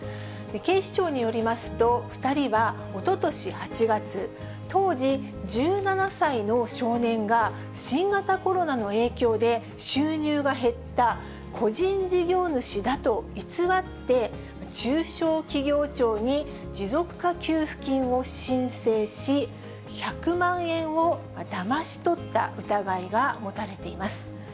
警視庁によりますと、２人はおととし８月、当時１７歳の少年が、新型コロナの影響で収入が減った個人事業主だと偽って、中小企業庁に持続化給付金を申請し、１００万円をだまし取った疑いが持たれています。